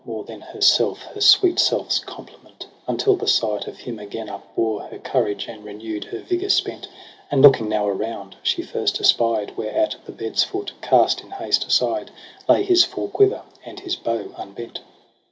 More than herself her sweet self's complement : Until the sight of him again upbore Her courage, and renew'd her vigour spent. And looking now around, she first espied Where at the bed's foot, cast in haste aside. Lay his full quiver, and his bow unbent.